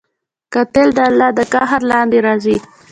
قاتل د الله د قهر لاندې راځي